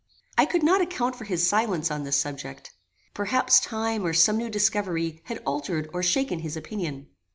I could not account for his silence on this subject. Perhaps time or some new discovery had altered or shaken his opinion.